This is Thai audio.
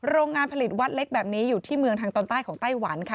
โรงงานผลิตวัดเล็กแบบนี้อยู่ที่เมืองทางตอนใต้ของไต้หวันค่ะ